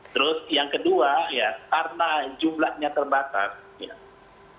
terus yang kedua ya karena jumlahnya terbatas